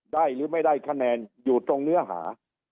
หรือไม่ได้คะแนนอยู่ตรงเนื้อหา